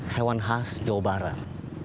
hewan khas jawa barat